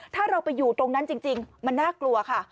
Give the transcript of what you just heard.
ถ้าเราไปอยู่ตรงนั้นจริงมันน่ากลัวค่ะ